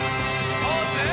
ポーズ！